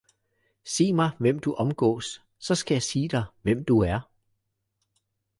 Sig mig, hvem du omgås, så skal jeg sige dig, hvem du er